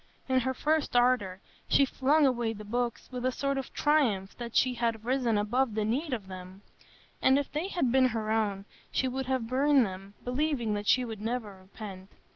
In her first ardor she flung away the books with a sort of triumph that she had risen above the need of them; and if they had been her own, she would have burned them, believing that she would never repent.